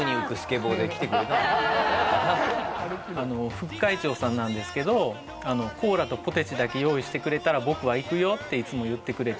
副会長さんなんですけどコーラとポテチだけ用意してくれたら僕は行くよっていつも言ってくれて。